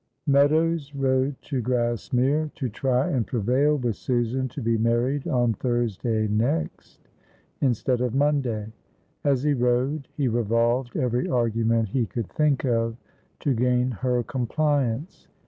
MEADOWS rode to Grassmere, to try and prevail with Susan to be married on Thursday next, instead of Monday. As he rode he revolved every argument he could think of to gain her compliance.